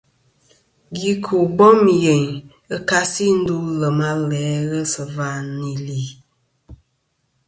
Gvi ku bom yeyn ɨ kasi ndu lem a le' ghe và nì li.